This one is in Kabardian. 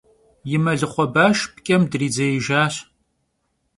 Yi melıxhue başş pç'em dridzêijjaş.